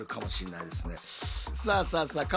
さあさあさあ